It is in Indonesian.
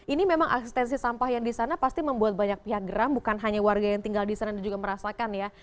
ini memang aksistensi sampah yang disana pasti membuat banyak pihak geram bukan hanya warga yang tinggal disana juga merasakan ya